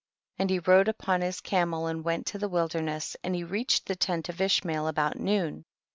39. And he rode upon his camel and went to the wilderness, and he reached the tent of Ishmael about noon.